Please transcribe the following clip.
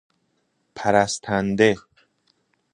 پرستنده